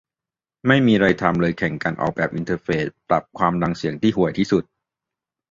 ไม่มีไรทำ เลยแข่งกันออกแบบอินเทอร์เฟซปรับความดังเสียงที่ห่วยที่สุด